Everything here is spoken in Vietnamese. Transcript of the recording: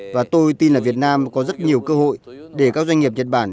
và tôi tin là việt nam có rất nhiều cơ hội để các doanh nghiệp nhật bản